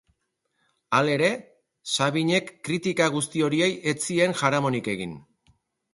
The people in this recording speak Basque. Halere, Sabinek kritika guzti horiei ez zien jaramonik egin.